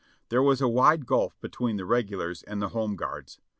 There was a wide gulf between the regulars and the home guards.